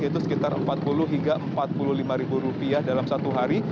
yaitu sekitar empat puluh hingga empat puluh lima dalam satu hari